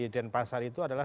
denpasar itu adalah